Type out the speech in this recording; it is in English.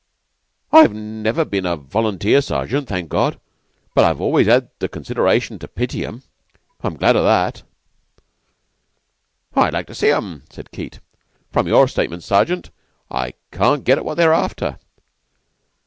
I've never been a Volunteer sergeant, thank God but I've always had the consideration to pity 'em. I'm glad o' that." "I'd like to see 'em," said Keyte. "From your statements, Sergeant, I can't get at what they're after."